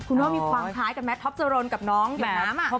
คุณว่ามีความคล้ายกันไหมท็อปเจอร์โรนกับน้องเดี๋ยวน้ำอ่ะ